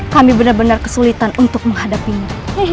kami benar benar kesulitan untuk menghadapinya